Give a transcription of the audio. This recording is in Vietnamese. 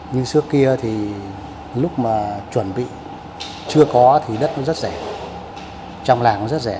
như trước kia thì lúc mà chuẩn bị chưa có thì đất nó rất rẻ trong làng nó rất rẻ